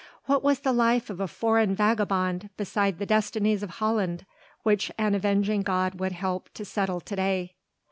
What was the life of a foreign vagabond beside the destinies of Holland which an avenging God would help to settle to day?